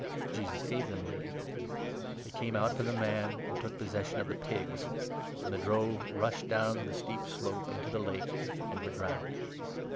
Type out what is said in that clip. Jesus gave them leave. They came out from the man and took 33 possession of the pigs ; and the drove rushed down the steep slope into the lake and were drowned.